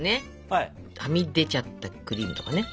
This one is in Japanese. はみ出ちゃったクリームとかね